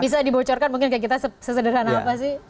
bisa dibocorkan mungkin kayak kita sesederhana apa sih